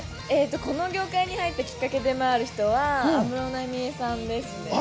この業界に入ったきっかけでもあるのが安室奈美恵さんです。